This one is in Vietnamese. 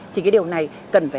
thì cái điều này cần phải